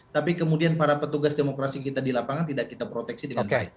tapi kemudian para petugas demokrasi kita di lapangan tidak kita proteksi dengan baik